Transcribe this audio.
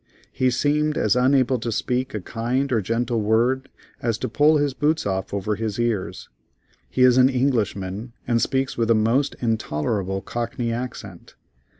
He seemed as unable to speak a kind or gentle word as to pull his boots off over his ears. He is an Englishman, and speaks with the most intolerable cockney accent.